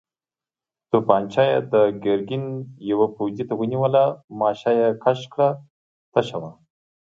توپانجه يې د ګرګين يوه پوځي ته ونيوله، ماشه يې کش کړه، تشه وه.